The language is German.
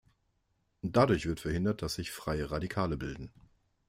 Dadurch wird verhindert, dass sich freie Radikale bilden.